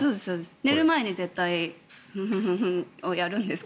寝る前にをやるんですが。